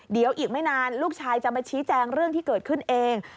เดี๋ยวอีกไม่นานลูกชายจะมาชี้แจงเรื่องที่เกิดขึ้นเอง